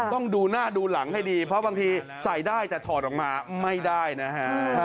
ต้องดูหน้าดูหลังให้ดีเพราะบางทีใส่ได้แต่ถอดออกมาไม่ได้นะฮะ